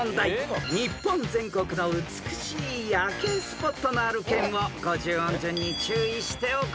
［日本全国の美しい夜景スポットのある県を五十音順に注意してお答えください］